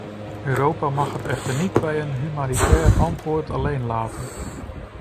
Europa mag het echter niet bij een humanitair antwoord alleen laten.